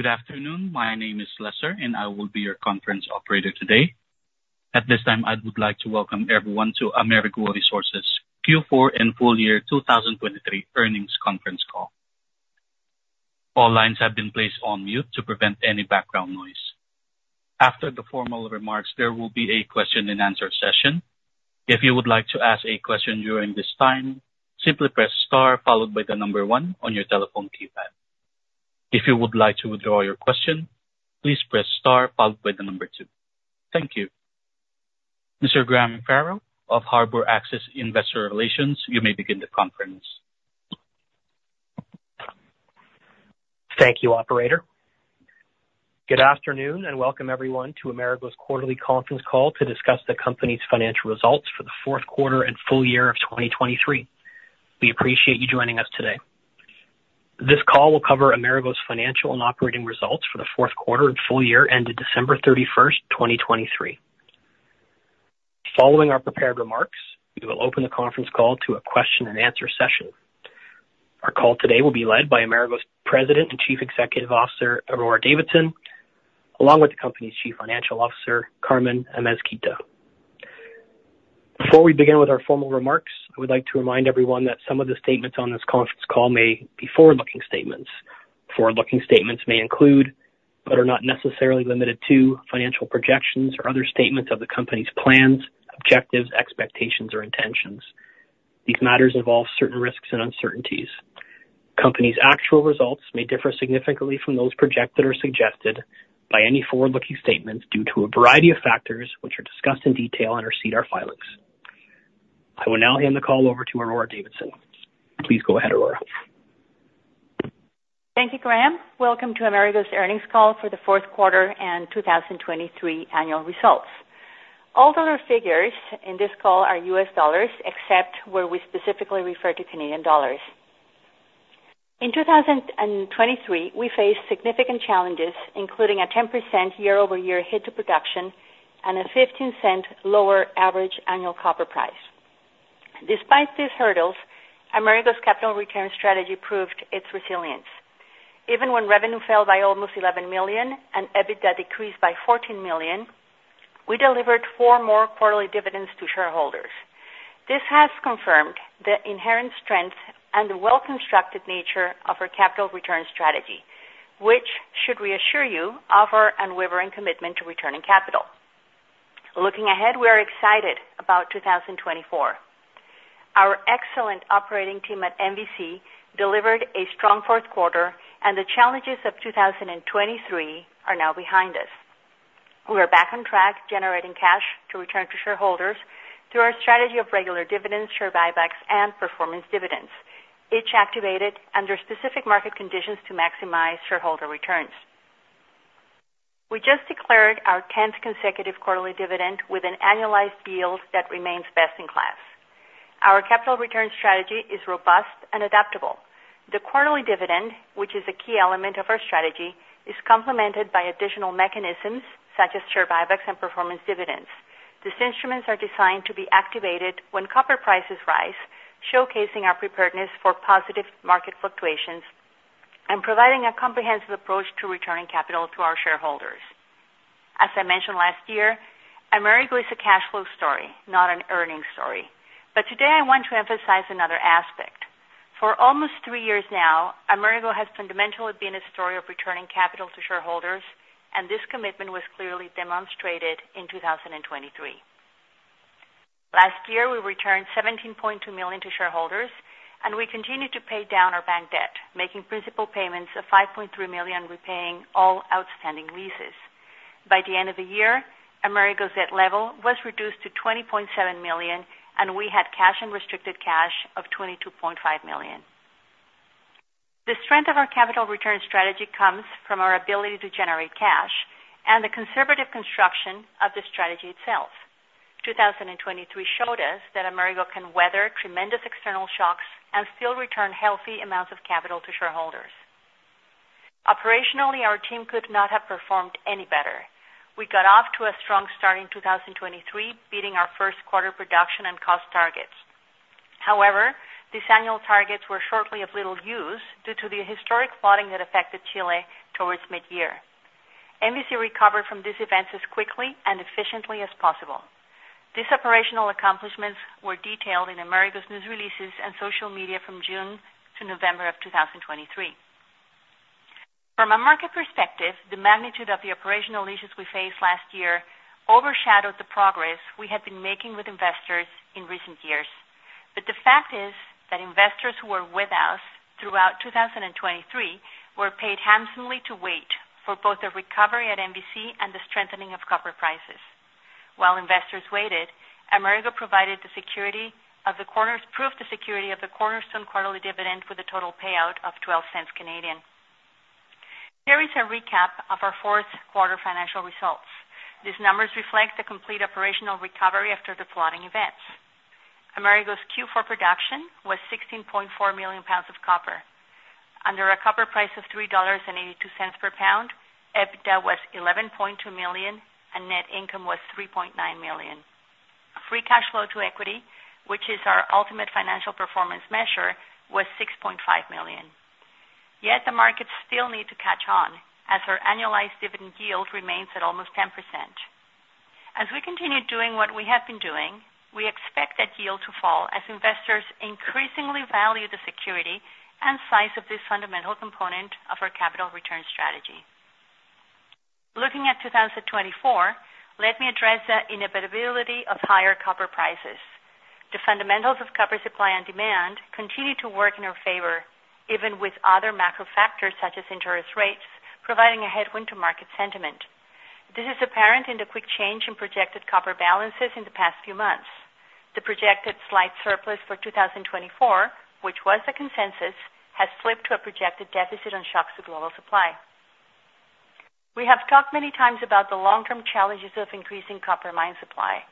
Good afternoon. My name is Lester, and I will be your conference operator today. At this time, I would like to welcome everyone to Amerigo Resources Q4 and full year 2023 earnings conference call. All lines have been placed on mute to prevent any background noise. After the formal remarks, there will be a question-and-answer session. If you would like to ask a question during this time, simply press star followed by the number one on your telephone keypad. If you would like to withdraw your question, please press star followed by the number two. Thank you. Mr. Graham Farrell of Harbor Access Investor Relations, you may begin the conference. Thank you, operator. Good afternoon, and welcome everyone to Amerigo's quarterly conference call to discuss the company's financial results for the fourth quarter and full year of 2023. We appreciate you joining us today. This call will cover Amerigo's financial and operating results for the fourth quarter and full year ended December 31, 2023. Following our prepared remarks, we will open the conference call to a question-and-answer session. Our call today will be led by Amerigo's President and Chief Executive Officer, Aurora Davidson, along with the company's Chief Financial Officer, Carmen Amezquita. Before we begin with our formal remarks, I would like to remind everyone that some of the statements on this conference call may be forward-looking statements. Forward-looking statements may include, but are not necessarily limited to, financial projections or other statements of the company's plans, objectives, expectations or intentions. These matters involve certain risks and uncertainties. Company's actual results may differ significantly from those projected or suggested by any forward-looking statements due to a variety of factors, which are discussed in detail in our SEDAR filings. I will now hand the call over to Aurora Davidson. Please go ahead, Aurora. Thank you, Graham. Welcome to Amerigo's earnings call for the fourth quarter and 2023 annual results. All dollar figures in this call are U.S. dollars, except where we specifically refer to Canadian dollars. In 2023, we faced significant challenges, including a 10% year-over-year hit to production and a $0.15 lower average annual copper price. Despite these hurdles, Amerigo's capital return strategy proved its resilience. Even when revenue fell by almost $11 million and EBITDA decreased by $14 million, we delivered four more quarterly dividends to shareholders. This has confirmed the inherent strength and the well-constructed nature of our capital return strategy, which should reassure you of our unwavering commitment to returning capital. Looking ahead, we are excited about 2024. Our excellent operating team at MVC delivered a strong fourth quarter, and the challenges of 2023 are now behind us. We are back on track, generating cash to return to shareholders through our strategy of regular dividends, share buybacks and performance dividends, each activated under specific market conditions to maximize shareholder returns. We just declared our 10th consecutive quarterly dividend with an annualized yield that remains best in class. Our capital return strategy is robust and adaptable. The quarterly dividend, which is a key element of our strategy, is complemented by additional mechanisms such as share buybacks and performance dividends. These instruments are designed to be activated when copper prices rise, showcasing our preparedness for positive market fluctuations and providing a comprehensive approach to returning capital to our shareholders. As I mentioned last year, Amerigo is a cash flow story, not an earnings story. But today, I want to emphasize another aspect. For almost three years now, Amerigo has fundamentally been a story of returning capital to shareholders, and this commitment was clearly demonstrated in 2023. Last year, we returned $17.2 million to shareholders, and we continued to pay down our bank debt, making principal payments of $5.3 million, repaying all outstanding leases. By the end of the year, Amerigo's debt level was reduced to $20.7 million, and we had cash and restricted cash of $22.5 million. The strength of our capital return strategy comes from our ability to generate cash and the conservative construction of the strategy itself. 2023 showed us that Amerigo can weather tremendous external shocks and still return healthy amounts of capital to shareholders. Operationally, our team could not have performed any better. We got off to a strong start in 2023, beating our first quarter production and cost targets. However, these annual targets were shortly of little use due to the historic flooding that affected Chile towards midyear. MVC recovered from these events as quickly and efficiently as possible. These operational accomplishments were detailed in Amerigo's news releases and social media from June to November of 2023. From a market perspective, the magnitude of the operational issues we faced last year overshadowed the progress we had been making with investors in recent years. But the fact is that investors who were with us throughout 2023 were paid handsomely to wait for both a recovery at MVC and the strengthening of copper prices. While investors waited, Amerigo provided the security of the cornerstone quarterly dividend with a total payout of 0.12. Here is a recap of our fourth quarter financial results. These numbers reflect the complete operational recovery after the flooding events. Amerigo's Q4 production was 16.4 million pounds of copper. Under a copper price of $3.82 per pound, EBITDA was $11.2 million, and net income was $3.9 million. Free cash flow to equity, which is our ultimate financial performance measure, was $6.5 million. Yet the markets still need to catch on, as our annualized dividend yield remains at almost 10%. As we continue doing what we have been doing, we expect that yield to fall as investors increasingly value the security and size of this fundamental component of our capital return strategy. Looking at 2024, let me address the inevitability of higher copper prices. The fundamentals of copper supply and demand continue to work in our favor, even with other macro factors such as interest rates, providing a headwind to market sentiment. This is apparent in the quick change in projected copper balances in the past few months. The projected slight surplus for 2024, which was the consensus, has flipped to a projected deficit on shocks to global supply. We have talked many times about the long-term challenges of increasing copper mine supply.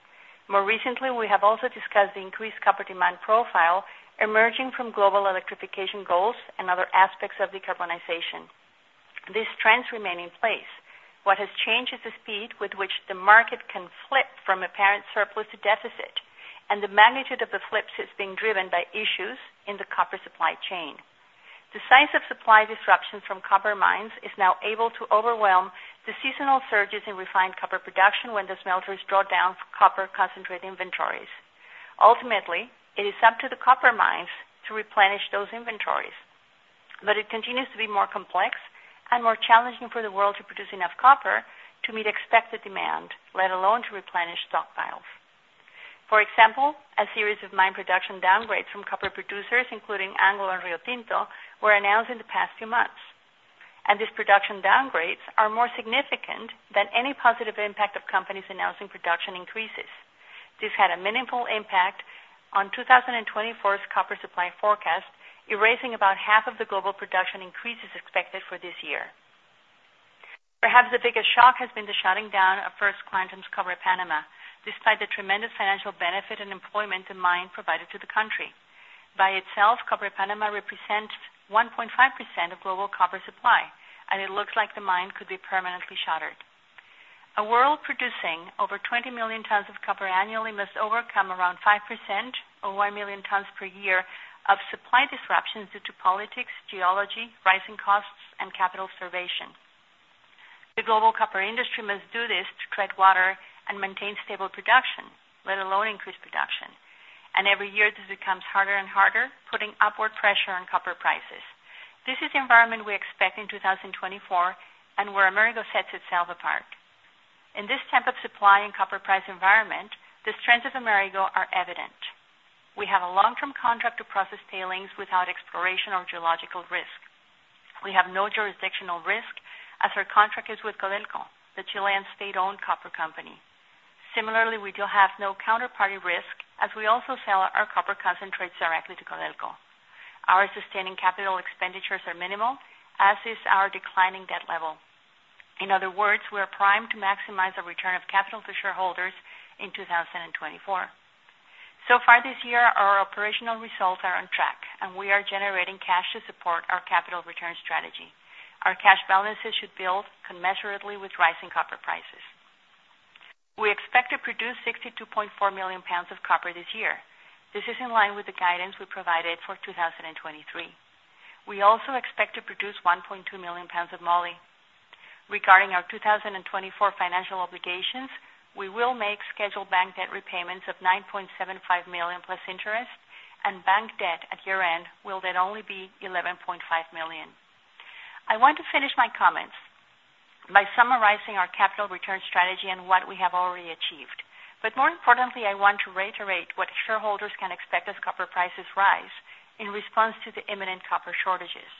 More recently, we have also discussed the increased copper demand profile emerging from global electrification goals and other aspects of decarbonization. These trends remain in place. What has changed is the speed with which the market can flip from apparent surplus to deficit, and the magnitude of the flips is being driven by issues in the copper supply chain. The size of supply disruptions from copper mines is now able to overwhelm the seasonal surges in refined copper production when the smelters draw down copper concentrate inventories. Ultimately, it is up to the copper mines to replenish those inventories, but it continues to be more complex and more challenging for the world to produce enough copper to meet expected demand, let alone to replenish stockpiles. For example, a series of mine production downgrades from copper producers, including Anglo and Rio Tinto, were announced in the past few months, and these production downgrades are more significant than any positive impact of companies announcing production increases. This had a minimal impact on 2024's copper supply forecast, erasing about half of the global production increases expected for this year. Perhaps the biggest shock has been the shutting down of First Quantum's Cobre Panamá, despite the tremendous financial benefit and employment the mine provided to the country. By itself, Cobre Panamá represents 1.5% of global copper supply, and it looks like the mine could be permanently shuttered. A world producing over 20 million tons of copper annually must overcome around 5%, or 1 million tons per year, of supply disruptions due to politics, geology, rising costs, and capital starvation. The global copper industry must do this to tread water and maintain stable production, let alone increase production, and every year this becomes harder and harder, putting upward pressure on copper prices. This is the environment we expect in 2024, and where Amerigo sets itself apart. In this type of supply and copper price environment, the strengths of Amerigo are evident. We have a long-term contract to process tailings without exploration or geological risk. We have no jurisdictional risk, as our contract is with Codelco, the Chilean state-owned copper company. Similarly, we do have no counterparty risk, as we also sell our copper concentrates directly to Codelco. Our sustaining capital expenditures are minimal, as is our declining debt level. In other words, we are primed to maximize the return of capital to shareholders in 2024. So far this year, our operational results are on track, and we are generating cash to support our capital return strategy. Our cash balances should build commensurately with rising copper prices. We expect to produce $62.4 million pounds of copper this year. This is in line with the guidance we provided for 2023. We also expect to produce $1.2 million pounds of moly. Regarding our 2024 financial obligations, we will make scheduled bank debt repayments of $9.75 million plus interest, and bank debt at year-end will then only be $11.5 million. I want to finish my comments by summarizing our capital return strategy and what we have already achieved. But more importantly, I want to reiterate what shareholders can expect as copper prices rise in response to the imminent copper shortages.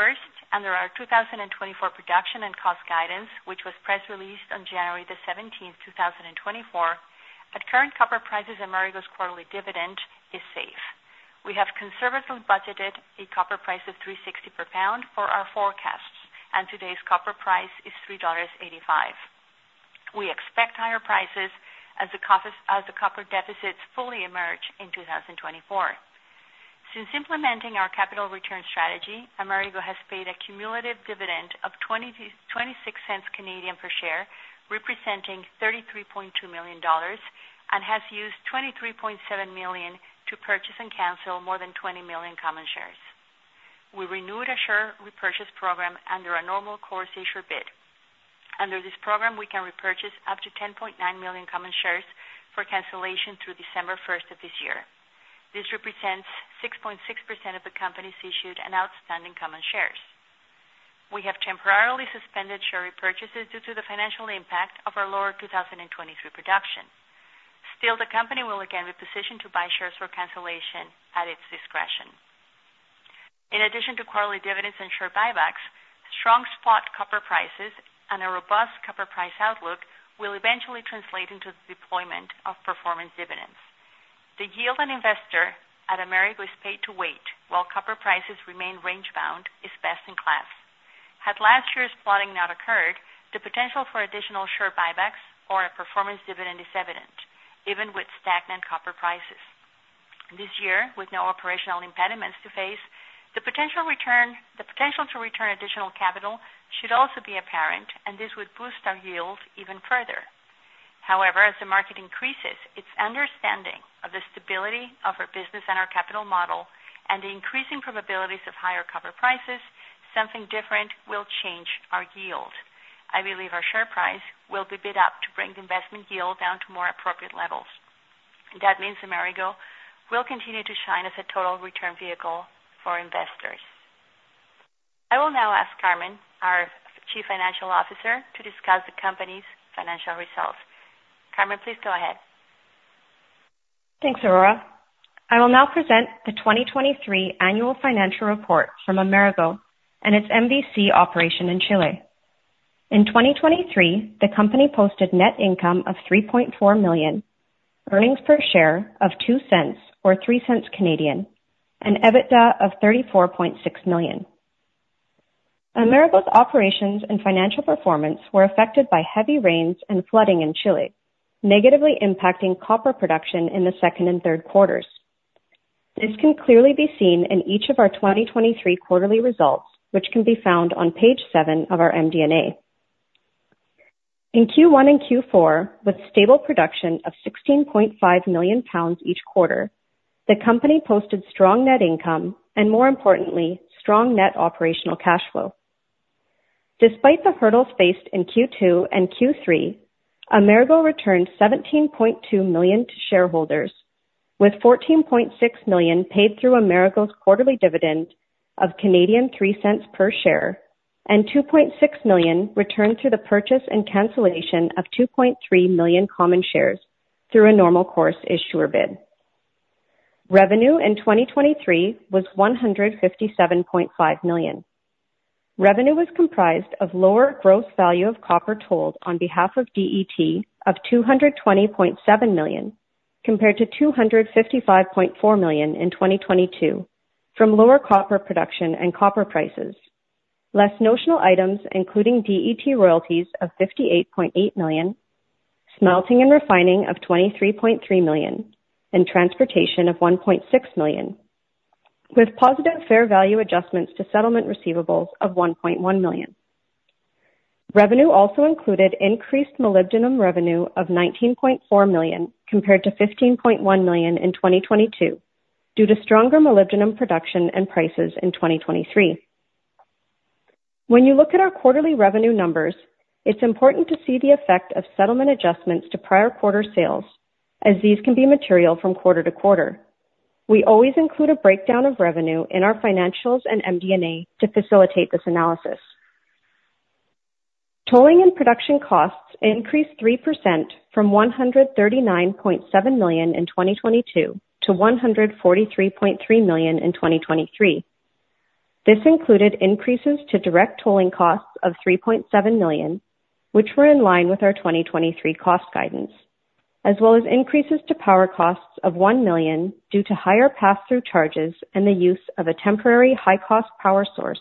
First, under our 2024 production and cost guidance, which was press released on January 17, 2024, at current copper prices, Amerigo's quarterly dividend is safe. We have conservatively budgeted a copper price of $3.60 per pound for our forecasts, and today's copper price is $3.85. We expect higher prices as the copper deficits fully emerge in 2024. Since implementing our capital return strategy, Amerigo has paid a cumulative dividend of 0.26 per share, representing $33.2 million, and has used $23.7 million to purchase and cancel more than 20 million common shares. We renewed our share repurchase program under a normal course issuer bid. Under this program, we can repurchase up to 10.9 million common shares for cancellation through December 1 of this year. This represents 6.6% of the company's issued and outstanding common shares. We have temporarily suspended share repurchases due to the financial impact of our lower 2023 production. Still, the company will again be positioned to buy shares for cancellation at its discretion. In addition to quarterly dividends and share buybacks, strong spot copper prices and a robust copper price outlook will eventually translate into the deployment of performance dividends. The yield an investor at Amerigo is paid to wait, while copper prices remain range-bound, is best in class. Had last year's flooding not occurred, the potential for additional share buybacks or a performance dividend is evident, even with stagnant copper prices. This year, with no operational impediments to face, the potential return, the potential to return additional capital should also be apparent, and this would boost our yields even further. However, as the market increases, its understanding of the stability of our business and our capital model and the increasing probabilities of higher copper prices, something different will change our yield. I believe our share price will be bid up to bring the investment yield down to more appropriate levels. That means Amerigo will continue to shine as a total return vehicle for investors. I will now ask Carmen, our Chief Financial Officer, to discuss the company's financial results. Carmen, please go ahead. Thanks, Aurora. I will now present the 2023 annual financial report from Amerigo and its MVC operation in Chile. In 2023, the company posted net income of $3.4 million, earnings per share of $0.02 or 0.03, and EBITDA of $34.6 million. Amerigo's operations and financial performance were affected by heavy rains and flooding in Chile, negatively impacting copper production in the second and third quarters. This can clearly be seen in each of our 2023 quarterly results, which can be found on page seven of our MD&A. In Q1 and Q4, with stable production of $16.5 million pounds each quarter, the company posted strong net income and, more importantly, strong net operational cash flow. Despite the hurdles faced in Q2 and Q3, Amerigo returned $17.2 million to shareholders, with $14.6 million paid through Amerigo's quarterly dividend of 0.03 per share, and $2.6 million returned through the purchase and cancellation of 2.3 million common shares through a normal course issuer bid. Revenue in 2023 was $157.5 million. Revenue was comprised of lower gross value of copper tolled on behalf of DET of $220.7 million, compared to $255.4 million in 2022, from lower copper production and copper prices. Less notional items, including DET royalties of $58.8 million, smelting and refining of $23.3 million, and transportation of $1.6 million, with positive fair value adjustments to settlement receivables of $1.1 million. Revenue also included increased molybdenum revenue of $19.4 million, compared to $15.1 million in 2022, due to stronger molybdenum production and prices in 2023. When you look at our quarterly revenue numbers, it's important to see the effect of settlement adjustments to prior quarter sales, as these can be material from quarter to quarter. We always include a breakdown of revenue in our financials and MD&A to facilitate this analysis. Tolling and production costs increased 3% from $139.7 million in 2022 to $143.3 million in 2023. This included increases to direct tolling costs of $3.7 million, which were in line with our 2023 cost guidance, as well as increases to power costs of $1 million due to higher pass-through charges and the use of a temporary high-cost power source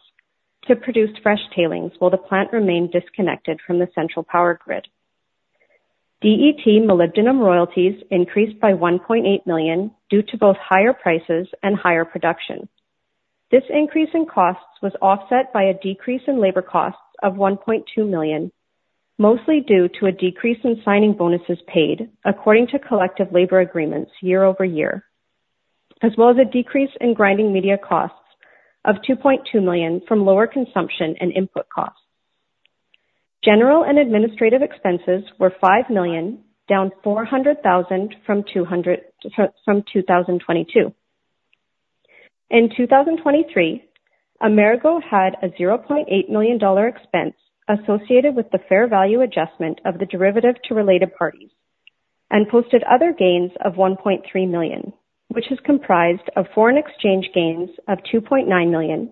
to produce fresh tailings while the plant remained disconnected from the central power grid. DET molybdenum royalties increased by $1.8 million due to both higher prices and higher production. This increase in costs was offset by a decrease in labor costs of $1.2 million, mostly due to a decrease in signing bonuses paid according to collective labor agreements year-over-year, as well as a decrease in grinding media costs of $2.2 million from lower consumption and input costs. General and administrative expenses were $5 million, down $400,000 from 2022. In 2023, Amerigo had a $0.8 million expense associated with the fair value adjustment of the derivative to related parties and posted other gains of $1.3 million, which is comprised of foreign exchange gains of $2.9 million,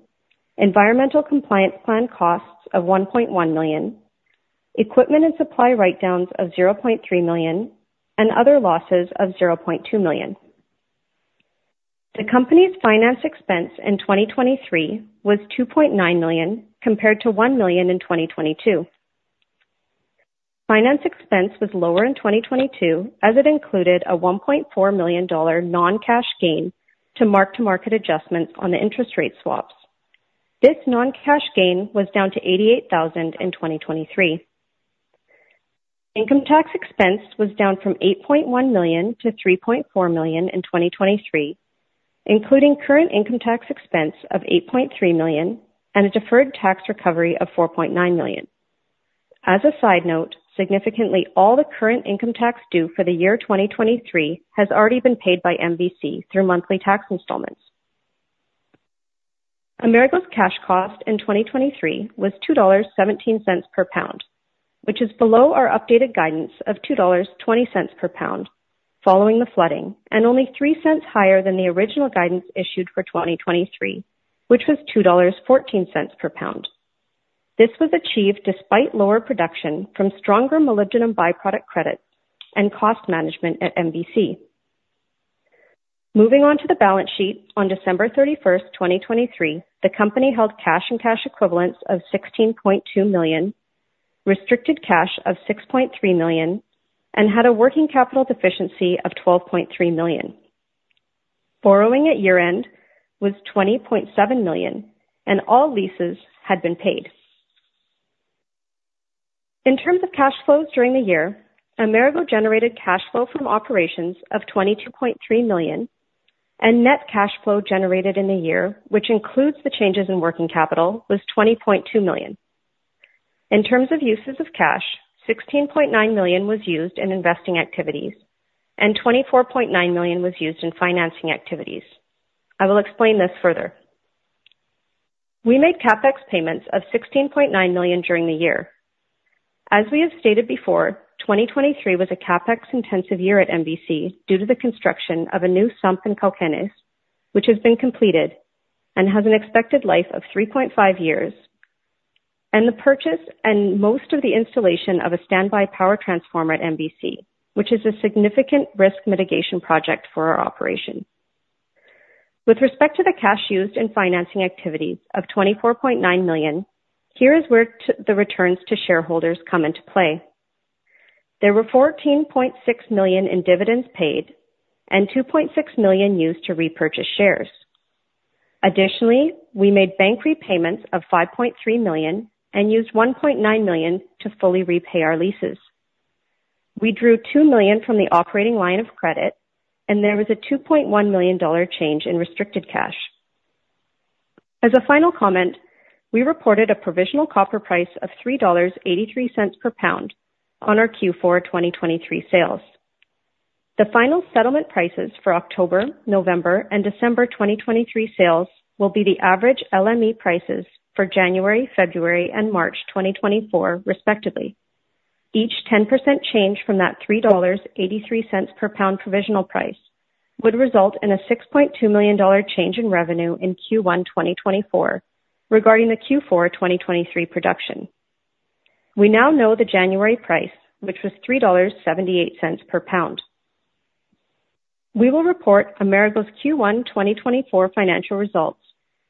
environmental compliance plan costs of $1.1 million, equipment and supply write-downs of $0.3 million, and other losses of $0.2 million. The company's finance expense in 2023 was $2.9 million, compared to $1 million in 2022. Finance expense was lower in 2022, as it included a $1.4 million non-cash gain to mark-to-market adjustments on the interest rate swaps. This non-cash gain was down to $88,000 in 2023. Income tax expense was down from $8.1 million to $3.4 million in 2023, including current income tax expense of $8.3 million and a deferred tax recovery of $4.9 million. As a side note, significantly, all the current income tax due for the year 2023 has already been paid by MVC through monthly tax installments. Amerigo's cash cost in 2023 was $2.17 per pound, which is below our updated guidance of $2.20 per pound following the flooding, and only $0.03 higher than the original guidance issued for 2023, which was $2.14 per pound. This was achieved despite lower production from stronger molybdenum byproduct credits and cost management at MVC. Moving on to the balance sheet. On December 31st, 2023, the company held cash and cash equivalents of $16.2 million, restricted cash of $6.3 million and had a working capital deficiency of $12.3 million. Borrowing at year-end was $20.7 million, and all leases had been paid. In terms of cash flows during the year, Amerigo generated cash flow from operations of $22.3 million, and net cash flow generated in the year, which includes the changes in working capital, was $20.2 million. In terms of uses of cash, $16.9 million was used in investing activities and $24.9 million was used in financing activities. I will explain this further. We made CapEx payments of $16.9 million during the year. As we have stated before, 2023 was a CapEx intensive year at MVC due to the construction of a new sump in Cauquenes, which has been completed and has an expected life of 3.5 years, and the purchase and most of the installation of a standby power transformer at MVC, which is a significant risk mitigation project for our operation. With respect to the cash used in financing activities of $24.9 million, here is where the returns to shareholders come into play. There were $14.6 million in dividends paid and $2.6 million used to repurchase shares. Additionally, we made bank repayments of $5.3 million and used $1.9 million to fully repay our leases. We drew $2 million from the operating line of credit, and there was a $2.1 million dollar change in restricted cash. As a final comment, we reported a provisional copper price of $3.83 per pound on our Q4 2023 sales. The final settlement prices for October, November, and December 2023 sales will be the average LME prices for January, February, and March 2024, respectively. Each 10% change from that $3.83 per pound provisional price would result in a $6.2 million change in revenue in Q1 2024 regarding the Q4 2023 production. We now know the January price, which was $3.78 per pound. We will report Amerigo's Q1 2024 financial results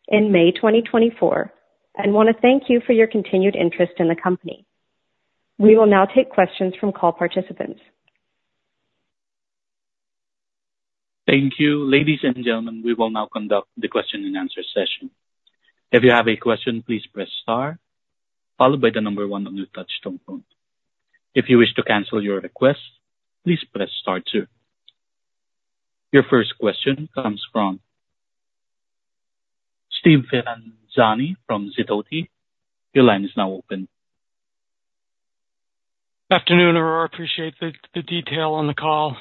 in May 2024, and want to thank you for your continued interest in the company. We will now take questions from call participants. Thank you. Ladies and gentlemen, we will now conduct the question and answer session. If you have a question, please press star, followed by the number one on your touchtone phone. If you wish to cancel your request, please press star two. Your first question comes from Steve Ferazani from Sidoti. Your line is now open. Afternoon, Aurora. Appreciate the detail on the call.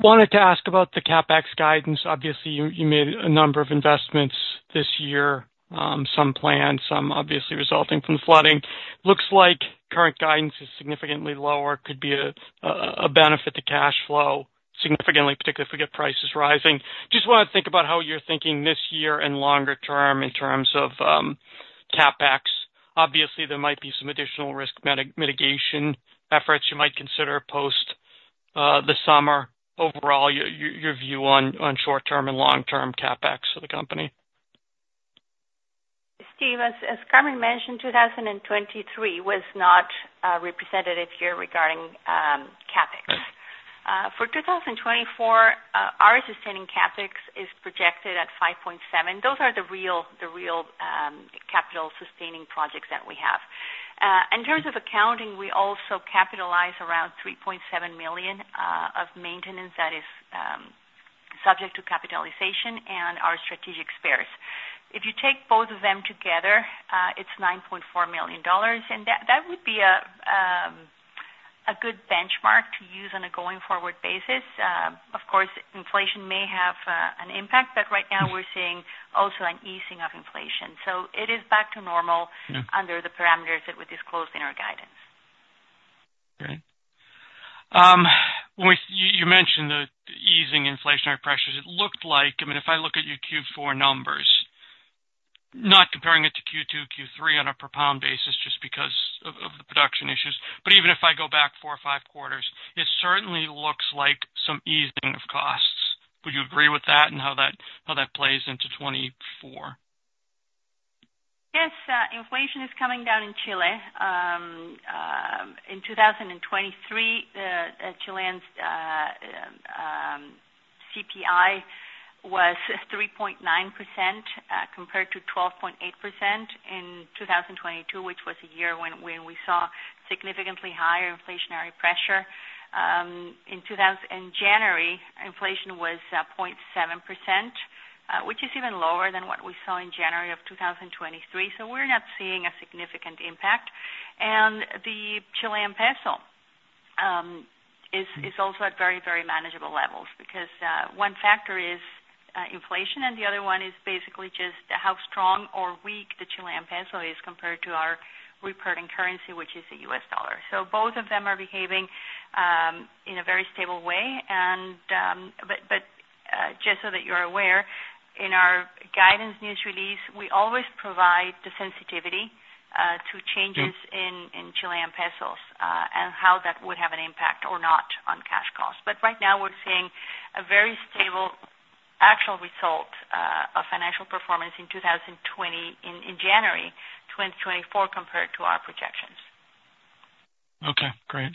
Wanted to ask about the CapEx guidance. Obviously, you made a number of investments this year, some planned, some obviously resulting from flooding. Looks like current guidance is significantly lower, could be a benefit to cash flow significantly, particularly if we get prices rising. Just want to think about how you're thinking this year and longer term in terms of CapEx. Obviously, there might be some additional risk mitigation efforts you might consider post the summer. Overall, your view on short-term and long-term CapEx for the company. Steve, as, as Carmen mentioned, 2023 was not a representative year regarding CapEx. Right. For 2024, our sustaining CapEx is projected at $5.7. Those are the real capital sustaining projects that we have. In terms of accounting, we also capitalize around $3.7 million of maintenance that is subject to capitalization and our strategic spares. If you take both of them together, it's $9.4 million, and that would be a good benchmark to use on a going forward basis. Of course, inflation may have an impact, but right now we're seeing also an easing of inflation. So it is back to normal- Yeah. - under the parameters that we disclosed in our guidance. Great. When you mentioned the easing inflationary pressures, it looked like... I mean, if I look at your Q4 numbers, not comparing it to Q2, Q3 on a per pound basis just because of the production issues, but even if I go back four or five quarters, it certainly looks like some easing of costs. Would you agree with that and how that plays into 2024? Yes. Inflation is coming down in Chile. In 2023, the Chilean CPI was 3.9%, compared to 12.8% in 2022, which was a year when we saw significantly higher inflationary pressure. In January, inflation was 0.7%, which is even lower than what we saw in January of 2023. So we're not seeing a significant impact. And the Chilean peso is also at very, very manageable levels. Because one factor is inflation, and the other one is basically just how strong or weak the Chilean peso is compared to our reporting currency, which is the US dollar. So both of them are behaving in a very stable way. Just so that you're aware, in our guidance news release, we always provide the sensitivity to changes. Yeah. - in Chilean peso.... how that would have an impact or not on cash costs. But right now we're seeing a very stable actual result of financial performance in 2020, in January 2024, compared to our projections. Okay, great.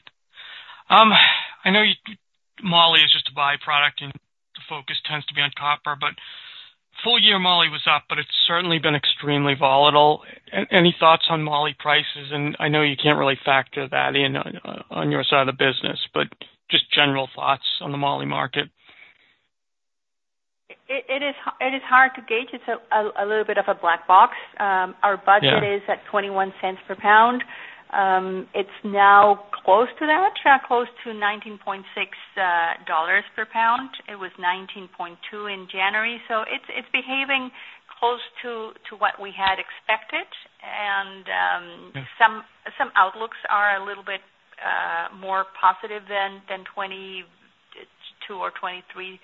I know you, moly is just a by-product and the focus tends to be on copper, but full year moly was up, but it's certainly been extremely volatile. Any thoughts on moly prices? And I know you can't really factor that in on your side of the business, but just general thoughts on the moly market. It is hard to gauge. It's a little bit of a black box. Our budget- Yeah. - is at $0.21 per pound. It's now close to that, close to $19.6 per pound. It was $19.2 in January. So it's behaving close to what we had expected. And, Mm. Some outlooks are a little bit more positive than $22 or $23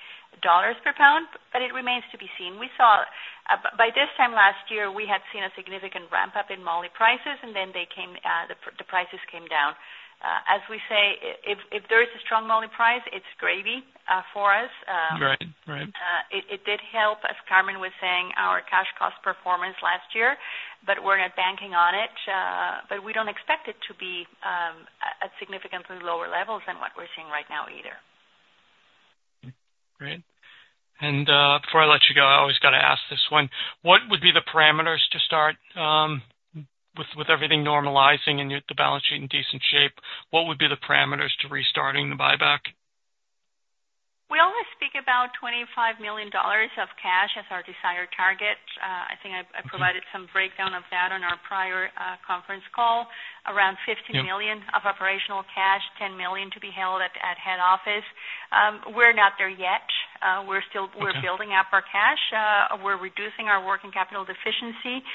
per pound, but it remains to be seen. We saw, by this time last year, we had seen a significant ramp-up in moly prices, and then they came, the prices came down. As we say, if there is a strong moly price, it's gravy for us. Right. Right. It did help, as Carmen was saying, our cash cost performance last year, but we're not banking on it, but we don't expect it to be at significantly lower levels than what we're seeing right now either. Great. Before I let you go, I always got to ask this one: What would be the parameters to start with everything normalizing and the balance sheet in decent shape, what would be the parameters to restarting the buyback? We always speak about $25 million of cash as our desired target. I think I- Mm-hmm. - I provided some breakdown of that on our prior conference call. Around $50 million- Yeah - of operational cash, $10 million to be held at, at head office. We're not there yet. We're still- Okay. We're building up our cash. We're reducing our working capital deficiency.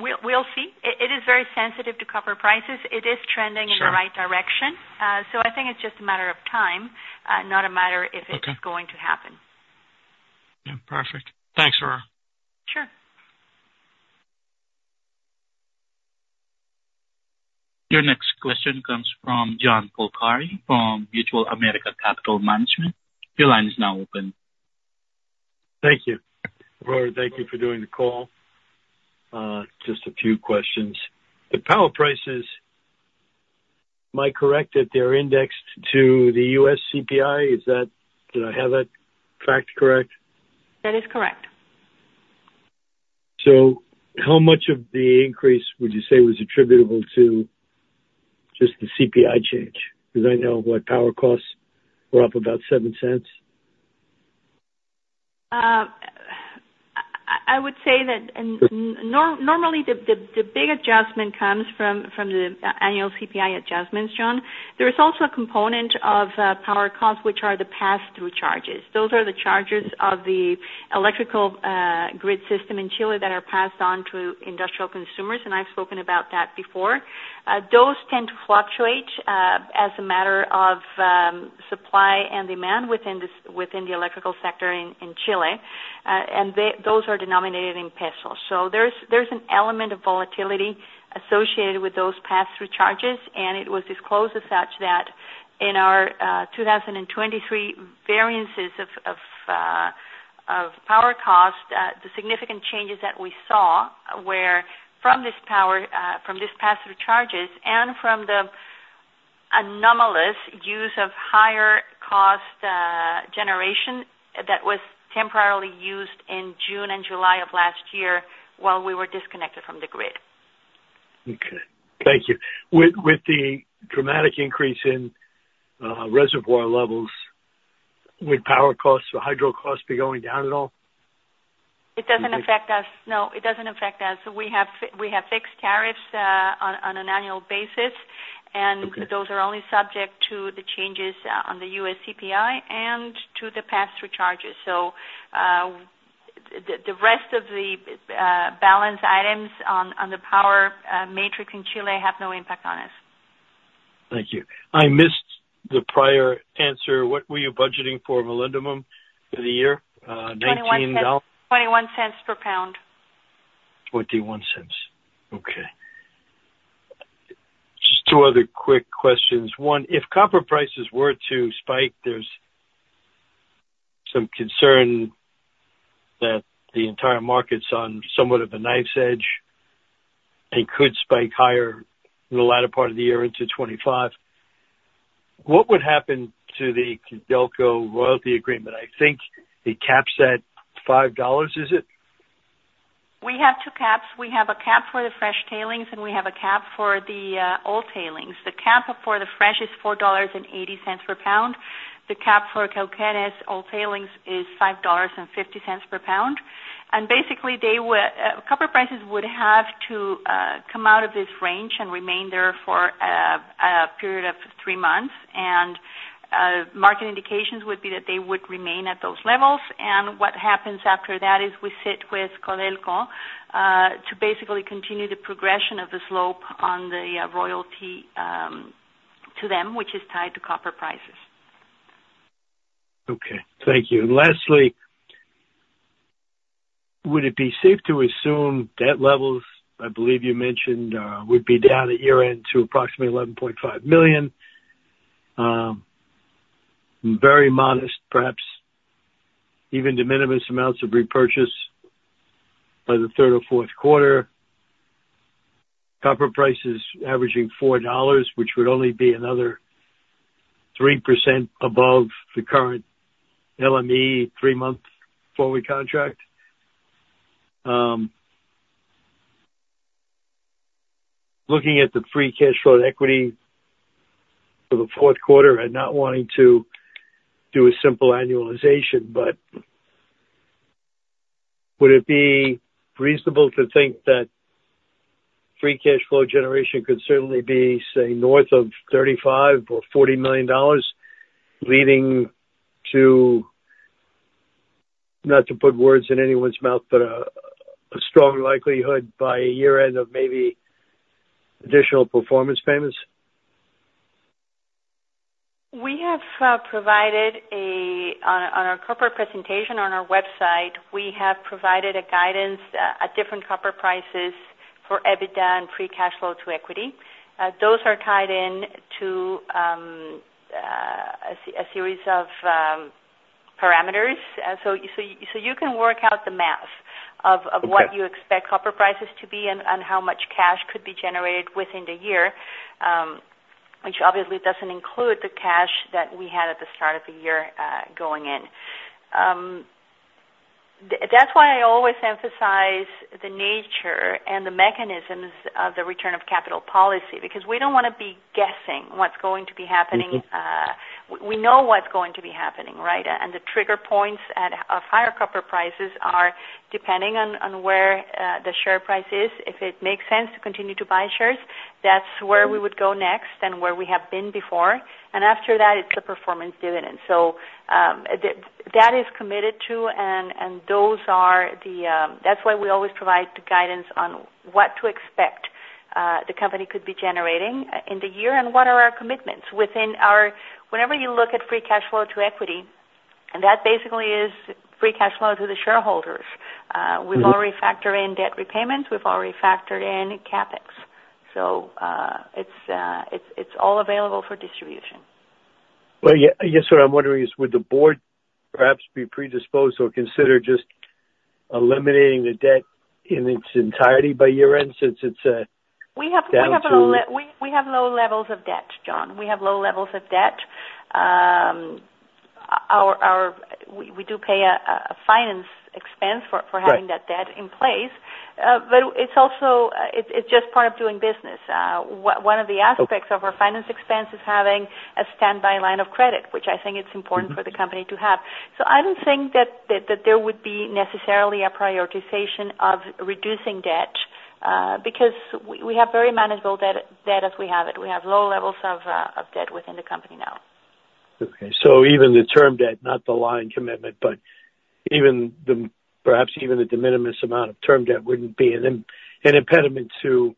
We'll see. It is very sensitive to copper prices. It is trending- Sure in the right direction. So I think it's just a matter of time, not a matter if it's- Okay going to happen. Yeah, perfect. Thanks, Aurora. Sure. Your next question comes from John Polcari from Mutual of America Capital Management. Your line is now open. Thank you. Aurora, thank you for doing the call. Just a few questions. The power prices, am I correct that they're indexed to the U.S. CPI? Is that? Do I have that fact correct? That is correct. How much of the increase would you say was attributable to just the CPI change? Because I know power costs were up about $0.07. I would say that normally the big adjustment comes from the annual CPI adjustments, John. There is also a component of power costs, which are the pass-through charges. Those are the charges of the electrical grid system in Chile that are passed on to industrial consumers, and I've spoken about that before. Those tend to fluctuate as a matter of supply and demand within the electrical sector in Chile. And those are denominated in pesos. So there's an element of volatility associated with those pass-through charges, and it was disclosed as such that in our 2023 variances of power costs, the significant changes that we saw were from this power, from these pass-through charges and from the anomalous use of higher cost generation that was temporarily used in June and July of last year while we were disconnected from the grid. Okay. Thank you. With the dramatic increase in reservoir levels, would power costs or hydro costs be going down at all? It doesn't affect us. No, it doesn't affect us. We have fixed tariffs on an annual basis, and- Okay... those are only subject to the changes on the U.S. CPI and to the pass-through charges. So, the rest of the balance items on the power matrix in Chile have no impact on us. Thank you. I missed the prior answer. What were you budgeting for molybdenum for the year? $19- $0.21 per pound. $0.21. Okay. Just two other quick questions. One, if copper prices were to spike, there's some concern that the entire market's on somewhat of a knife's edge and could spike higher in the latter part of the year into $25. What would happen to the Codelco royalty agreement? I think it caps at $5, is it? We have two caps. We have a cap for the fresh tailings, and we have a cap for the old tailings. The cap for the fresh is $4.80 per pound. The cap for El Teniente's old tailings is $5.50 per pound. Basically, copper prices would have to come out of this range and remain there for a period of three months. Market indications would be that they would remain at those levels. What happens after that is we sit with Codelco to basically continue the progression of the slope on the royalty to them, which is tied to copper prices. Okay. Thank you. Lastly, would it be safe to assume debt levels, I believe you mentioned, would be down at year-end to approximately $11.5 million? Very modest, perhaps even de minimis amounts of repurchase by the third or fourth quarter. Copper prices averaging $4, which would only be another 3% above the current LME three-month forward contract. Looking at the free cash flow equity for the fourth quarter and not wanting to do a simple annualization, but would it be reasonable to think that free cash flow generation could certainly be, say, north of $35 million or $40 million, leading to, not to put words in anyone's mouth, but a strong likelihood by year-end of maybe additional performance payments? We have provided on our corporate presentation on our website, we have provided a guidance at different copper prices for EBITDA and free cash flow to equity. Those are tied in to a series of parameters. So you can work out the math of Okay. what you expect copper prices to be and, and how much cash could be generated within the year, which obviously doesn't include the cash that we had at the start of the year, going in. That's why I always emphasize the nature and the mechanisms of the return of capital policy, because we don't wanna be guessing what's going to be happening. Mm-hmm. We know what's going to be happening, right? And the trigger points at, of higher copper prices are depending on, on where, the share price is. If it makes sense to continue to buy shares, that's where we would go next and where we have been before. And after that, it's a performance dividend. So, that is committed to, and, and those are the... That's why we always provide the guidance on what to expect, the company could be generating, in the year and what are our commitments within our-- Whenever you look at free cash flow to equity, and that basically is free cash flow to the shareholders. Mm-hmm. We've already factored in debt repayments, we've already factored in CapEx. So, it's all available for distribution. Well, yeah, I guess what I'm wondering is, would the board perhaps be predisposed or consider just eliminating the debt in its entirety by year-end, since it's down to- We have, we have low levels of debt, John. We have low levels of debt. Our, we do pay a finance expense for- Right... for having that debt in place. But it's also, it's just part of doing business. One of the aspects- Okay... of our finance expense is having a standby line of credit, which I think it's important- Mm-hmm... for the company to have. So I don't think that there would be necessarily a prioritization of reducing debt, because we have very manageable debt as we have it. We have low levels of debt within the company now. Okay. So even the term debt, not the line commitment, but even the, perhaps even the de minimis amount of term debt wouldn't be an impediment to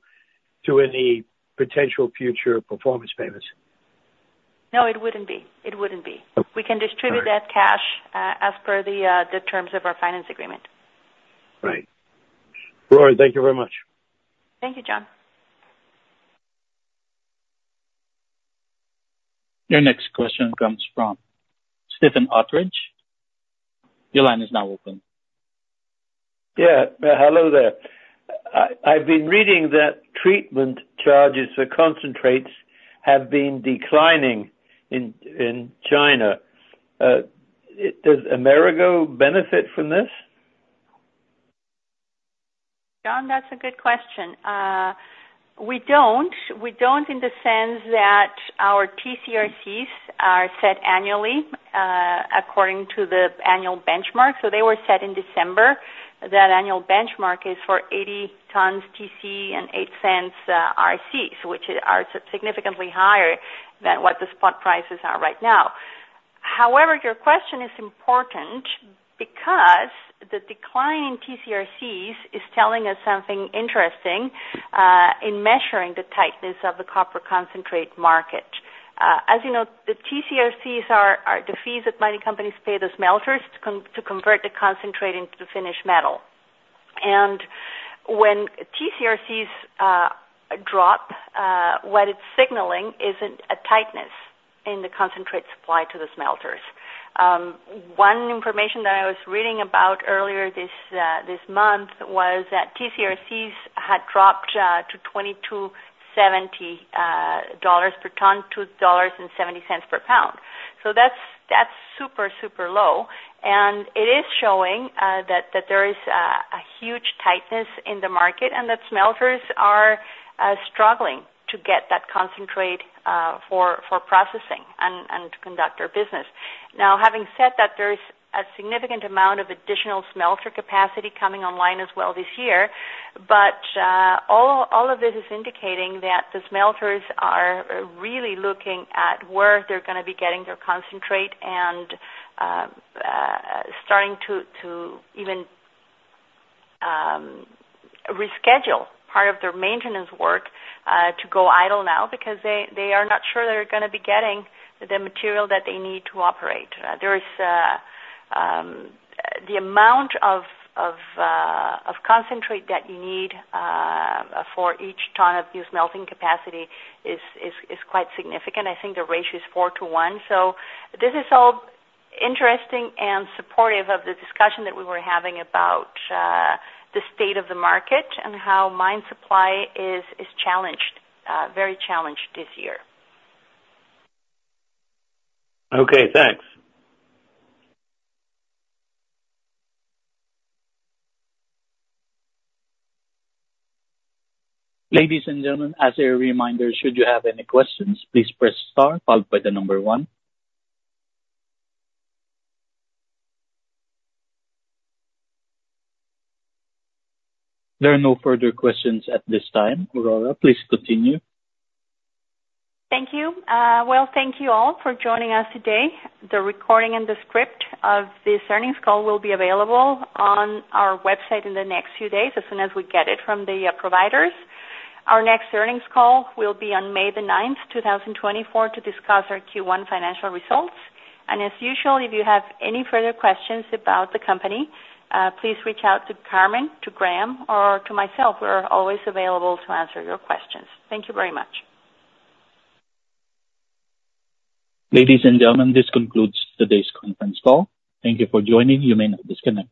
any potential future performance payments? No, it wouldn't be. It wouldn't be. Okay. We can distribute that cash, as per the, the terms of our finance agreement. Right. Aurora, thank you very much. Thank you, John. Your next question comes from Stephen Utteridge. Your line is now open. Yeah. Hello there. I've been reading that treatment charges for concentrates have been declining in China. Does Amerigo benefit from this? John, that's a good question. We don't. We don't in the sense that our TCRCs are set annually according to the annual benchmark, so they were set in December. That annual benchmark is for $80 ton TC and $0.08 RCs, which are significantly higher than what the spot prices are right now. However, your question is important because the decline in TCRCs is telling us something interesting in measuring the tightness of the copper concentrate market. As you know, the TCRCs are the fees that mining companies pay the smelters to convert the concentrate into the finished metal. And when TCRCs drop, what it's signaling isn't a tightness in the concentrate supply to the smelters. One information that I was reading about earlier this month was that TC/RCs had dropped to $22.70 per ton and $0.70 per pound. So that's super super low, and it is showing that there is a huge tightness in the market and that smelters are struggling to get that concentrate for processing and to conduct their business. Now, having said that, there's a significant amount of additional smelter capacity coming online as well this year, but all of this is indicating that the smelters are really looking at where they're gonna be getting their concentrate and starting to even reschedule part of their maintenance work to go idle now because they are not sure they're gonna be getting the material that they need to operate. There is the amount of concentrate that you need for each ton of use smelting capacity is quite significant. I think the ratio is 4 - 1. So this is all interesting and supportive of the discussion that we were having about the state of the market and how mine supply is challenged, very challenged this year. Okay, thanks. Ladies and gentlemen, as a reminder, should you have any questions, please press star followed by the number one. There are no further questions at this time. Aurora, please continue. Thank you. Well, thank you all for joining us today. The recording and the script of this earnings call will be available on our website in the next few days, as soon as we get it from the providers. Our next earnings call will be on May 9, 2024, to discuss our Q1 financial results. As usual, if you have any further questions about the company, please reach out to Carmen, to Graham, or to myself. We are always available to answer your questions. Thank you very much. Ladies and gentlemen, this concludes today's conference call. Thank you for joining. You may now disconnect.